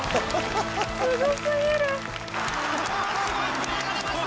ものすごいプレーが出ました！